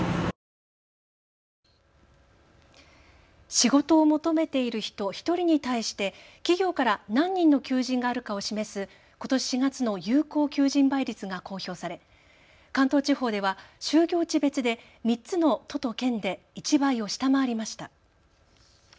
仕事を求めている人１人に対して企業から何人の求人があるかを示すことし４月の有効求人倍率が公表され関東地方では就業地別で３つの都と県で１倍を下回りました。